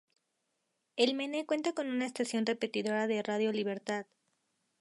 El Mene cuenta con una estación repetidora de Radio Libertad.